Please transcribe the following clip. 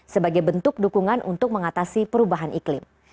sebagai bentuk dukungan untuk mengatasi perubahan iklim